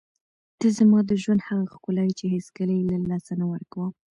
ته زما د ژوند هغه ښکلا یې چې هېڅکله یې له لاسه نه ورکوم.